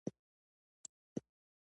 ما د ټولنې ناپوهي درک کړې ده.